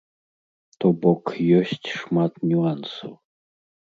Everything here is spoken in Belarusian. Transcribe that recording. То бок ёсць шмат нюансаў.